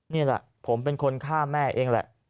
นี่แหละผมเป็นคนฆ่าแม่เองแหละ